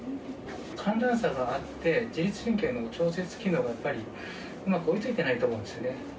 寒暖差があって自律神経の調節機能がやっぱりうまく追いついてないと思うんですよね。